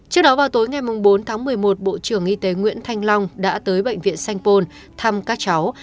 trước đó vào tối ngày bốn tháng một mươi một bộ trưởng y tế nguyễn thanh long đã tới bệnh viện sanh pôn thăm các cháu